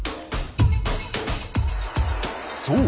そう！